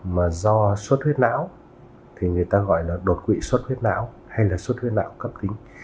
mà do suốt huyết não thì người ta gọi là đột quỵ suốt huyết não hay là suốt huyết não cấp kính